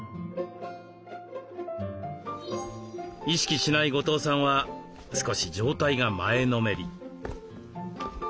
意識しない後藤さんは少し上体が前のめり。